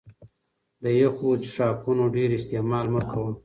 د يخو څښاکونو ډېر استعمال مه کوه